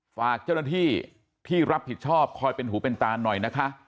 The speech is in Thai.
ฝากเจ้าหน้าที่ที่รับผิดชอบคอยเป็นหูเป็นตาหน่อยนะคะ